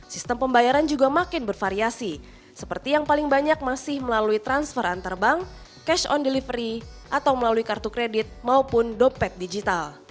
sistem pembayaran juga makin bervariasi seperti yang paling banyak masih melalui transfer antar bank cash on delivery atau melalui kartu kredit maupun dompet digital